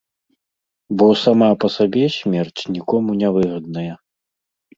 Бо сама па сабе смерць нікому не выгадная.